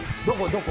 どこ？